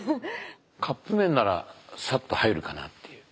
カップ麺ならサッと入るかなっていう。